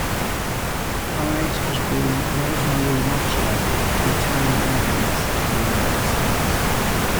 Ives was born Rosemarie Moccia to Italian immigrants to the United States.